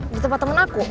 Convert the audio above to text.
di tempat temen aku